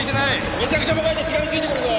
めちゃくちゃもがいてしがみついてくるぞ！